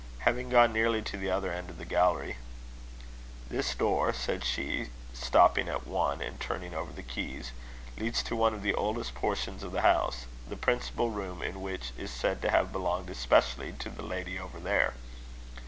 Having gone nearly to the other end of the gallery, "This door," said she, stopping at one, and turning over the keys, "leads to one of the oldest portions of the house, the principal room in which is said to have belonged especially to the lady over there."